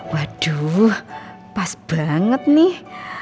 waduh pas banget nih